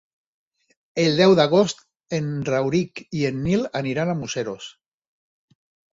El deu d'agost en Rauric i en Nil aniran a Museros.